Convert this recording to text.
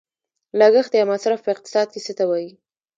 لګښت یا مصرف په اقتصاد کې څه ته وايي؟